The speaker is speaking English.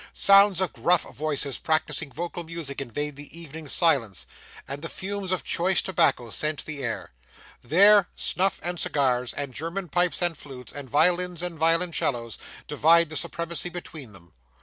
Sounds of gruff voices practising vocal music invade the evening's silence; and the fumes of choice tobacco scent the air. There, snuff and cigars, and German pipes and flutes, and violins and violoncellos, divide the supremacy between them.